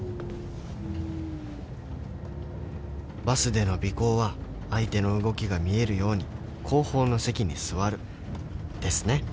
バスでの尾行は相手の動きが見えるように後方の席に座るですね